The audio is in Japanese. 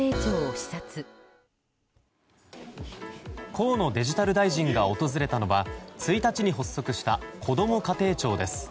河野デジタル大臣が訪れたのは１日に発足したこども家庭庁です。